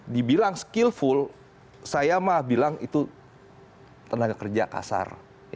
dibilang skillful saya mah bilang itu tenaga kerja kasar